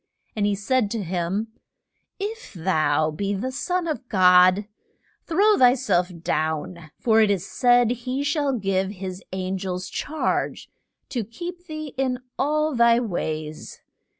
And he said to him, If thou be the Son of God, throw thy self down; for it is said, he shall give his an gels charge to keep thee in all thy ways.